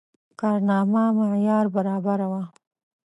کارنامه معیار برابره وه.